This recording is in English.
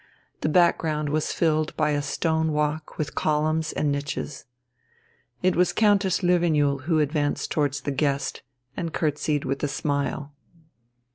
The background was filled by a stone walk with columns and niches. It was Countess Löwenjoul who advanced towards the guest, and curtseyed with a smile.